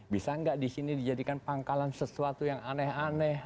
bisa nggak di sini dijadikan pangkalan sesuatu yang aneh aneh